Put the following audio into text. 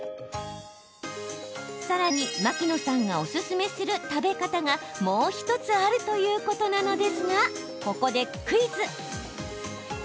さらに、牧野さんがおすすめする食べ方が、もう１つあるということなのですがここでクイズ。